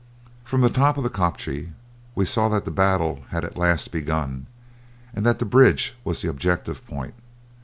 From the top of a kopje we saw that the battle had at last begun and that the bridge was the objective point.